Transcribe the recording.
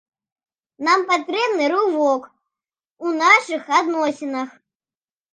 Нам патрэбны рывок у нашых адносінах.